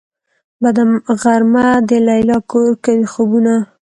بده غرمه ده ليلا کور کوي خوبونه